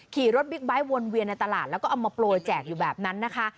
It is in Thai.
ขี่รถบิ๊กไบท์วนเวียนในตลาดแล้วก็เอามาโปรยแจกอยู่แบบนั้นนะคะ